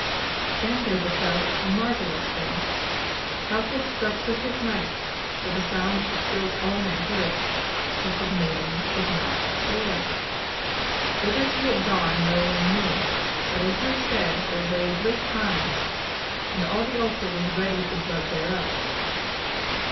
Then there befell a marvellous thing. Calchas struck with his knife, for the sound of the stroke all men heard, but the maiden was not there. Whither she had gone no one knew; but in her stead there lay a great hind, and all the altar was red with the blood thereof.